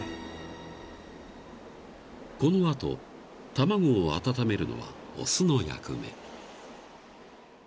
［この後卵を温めるのは雄の役目］